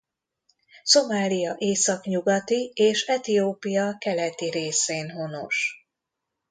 Szomália északnyugati és Etiópia keleti részén honos.